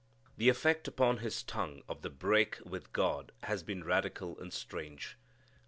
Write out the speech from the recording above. The effect upon his tongue of the break with God has been radical and strange.